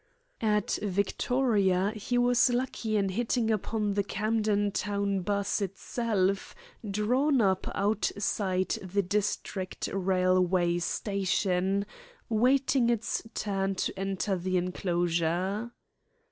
At Victoria he was lucky in hitting upon the Camden Town 'bus itself, drawn up outside the District Railway Station, waiting its turn to enter the enclosure.